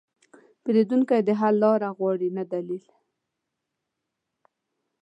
پیرودونکی د حل لاره غواړي، نه دلیل.